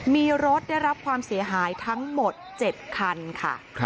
มีรถได้รับความเสียหายทั้งหมด๗คันค่ะ